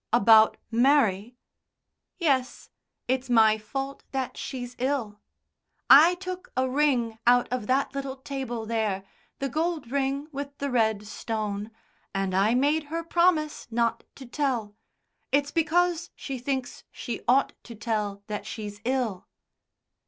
"About Mary?" "Yes. It's my fault that she's ill. I took a ring out of that little table there the gold ring with the red stone and I made her promise not to tell. It's because she thinks she ought to tell that she's ill."